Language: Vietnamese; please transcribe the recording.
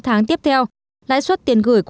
đặc biệt là kỳ hạn dài